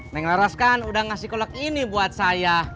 neng laras kan udah ngasih kolak ini buat saya